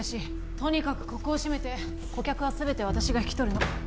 とにかくここを閉めて顧客は全て私が引き取るの